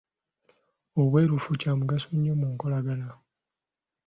Obwerufu kya mugaso nnyo mu nkolagana.